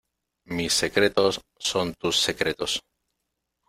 mis secretos son tus secretos.